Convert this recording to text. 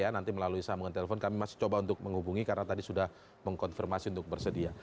nanti melalui sambungan telepon kami masih coba untuk menghubungi karena tadi sudah mengkonfirmasi untuk bersedia